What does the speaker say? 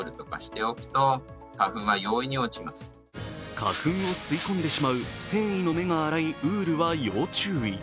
花粉を吸い込んでしまう繊維の目が粗いウールは要注意。